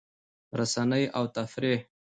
رسنۍ او تفریح